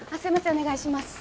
お願いします。